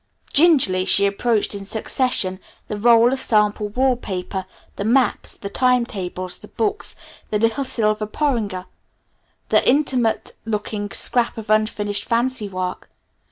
Gingerly she approached in succession the roll of sample wall paper, the maps, the time tables, the books, the little silver porringer, the intimate looking scrap of unfinished fancy work.